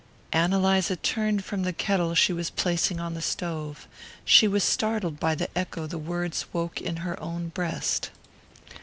Ann Eliza turned from the kettle she was placing on the stove. She was startled by the echo the words woke in her own breast.